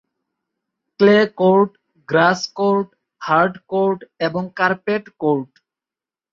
Clay court, grass court, hard court এবং carpet court.